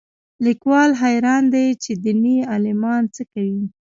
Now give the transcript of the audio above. لیکوال حیران دی چې دیني عالمان څه کوي